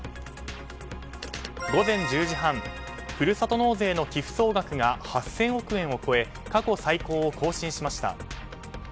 午前１０時半ふるさと納税の寄付総額が８０００億円を超え過去最高を更新しました。